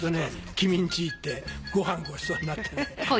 君ん家行ってごはんごちそうになって。